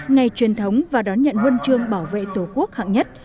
ngày truyền thống và đón nhận huân chương bảo vệ tổ quốc hạng nhất